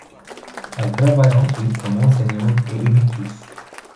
Elle travaille ensuite comme enseignante et éditrice.